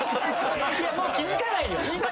もう気付かないよ。